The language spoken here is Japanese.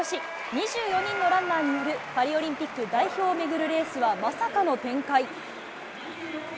２４人のランナーによる、パリオリンピック代表を巡るレースはまさかの展開。